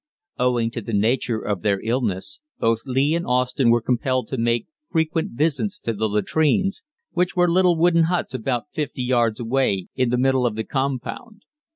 Owing to the nature of their illness, both Lee and Austin were compelled to make frequent visits to the latrines, which were little wooden huts about 50 yards away in the middle of the compound.